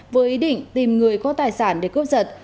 với ý định tìm người có tài sản để cấp dật